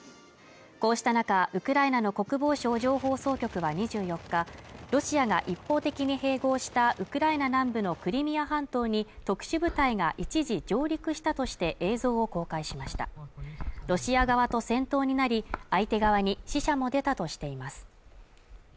こうした中ウクライナの国防省情報総局は２４日ロシアが一方的に併合したウクライナ南部のクリミア半島に特殊部隊が一時上陸したとして映像を公開しましたロシア側と戦闘になり相手側に死者も出たとしています